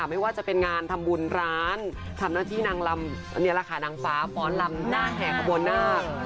ไม่ว่าจะเป็นงานทำบุญร้านทำหน้าที่นางลำนี่แหละค่ะนางฟ้าฟ้อนลำหน้าแห่ขบวนนาค